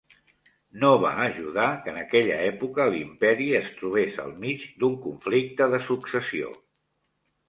No va ajudar que en aquella època l'imperi es trobés al mig d'un conflicte de successió.